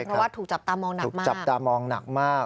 เพราะว่าถูกจับตามองหนักมาก